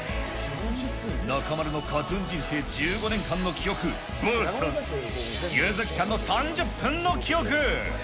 中丸のＫＡＴーＴＵＮ人生１５年間の記憶ＶＳ柚月ちゃんの３０分の記憶。